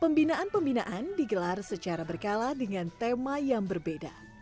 pembinaan pembinaan digelar secara berkala dengan tema yang berbeda